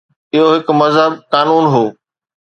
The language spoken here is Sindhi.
اهو هڪ مهذب قانون هو.